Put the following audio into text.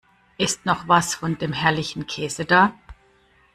Ist noch was von dem herrlichen Käse da?